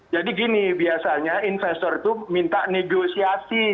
jadi gini biasanya investor itu minta negosiasi